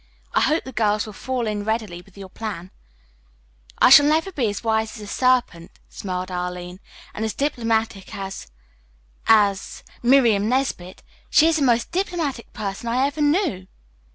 I hope the girls will fall in readily with your plan." "I shall have to be as wise as a serpent," smiled Arline, "and as diplomatic as as Miriam Nesbit. She is the most diplomatic person I ever knew."